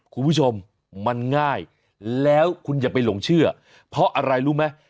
คุณผู้ชมมันง่ายแล้วคุณอย่าไปหลงเชื่อเพราะอะไรรู้ไหม